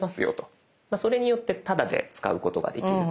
それによってタダで使うことができる。